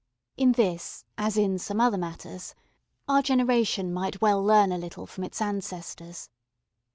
In this, as in some other matters, our generation might well learn a little from its ancestors.